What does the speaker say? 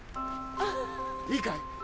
いいかい？